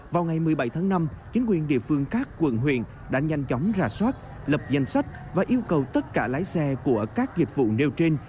vào ngày một mươi bảy tháng năm chính quyền địa phương các quận huyện đã nhanh chóng ra soát lập danh sách và yêu cầu tất cả lái xe của các dịch vụ nêu trên